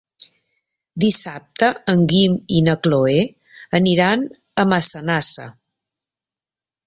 Dissabte en Guim i na Cloè aniran a Massanassa.